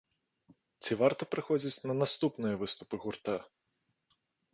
Ці варта прыходзіць на наступныя выступы гурта?